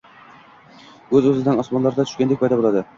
o‘z-o‘zidan – osmondan tushgandek paydo bo‘ladi.